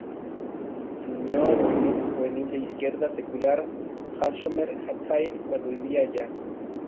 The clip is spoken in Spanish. Se unió al movimiento juvenil de izquierda secular Hashomer Hatzair cuando vivía allá.